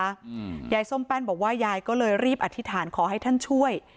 อืมยายส้มแป้นบอกว่ายายก็เลยรีบอธิษฐานขอให้ท่านช่วย